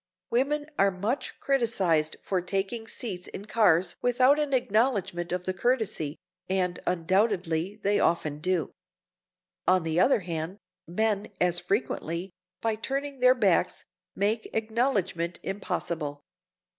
Women are much criticized for taking seats in cars without an acknowledgment of the courtesy, and, undoubtedly, they often do. On the other hand, men as frequently, by turning their backs, make acknowledgment impossible.